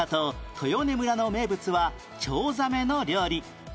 豊根村の名物はチョウザメの料理